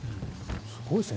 すごいですね。